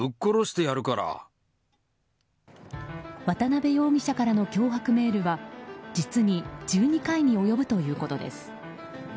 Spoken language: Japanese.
渡辺容疑者からの脅迫メールは実に１２回に及ぶということです。